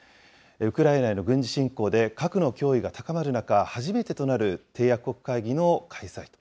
ウクライナへの軍事侵攻で核の脅威が高まる中、初めてとなる締約国会議の開催。